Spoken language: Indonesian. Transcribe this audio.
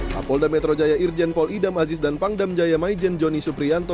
kapolda metro jaya irjen pol idam aziz dan pangdam jaya maijen joni suprianto